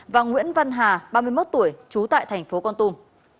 và nguyễn văn hà ba mươi một tuổi trú tại tp con tum